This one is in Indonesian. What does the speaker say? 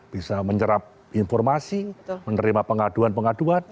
bisa menyerap informasi menerima pengaduan pengaduan